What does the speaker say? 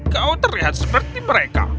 kau terlihat seperti mereka